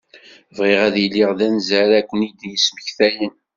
Bɣiɣ ad iliɣ d anza ara ken-id-yesmektayen.